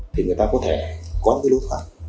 thì người ta có thể có cái lối thoát